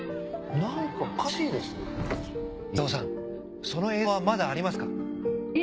なんかおかしいです伊藤さんその映像はまだありますか？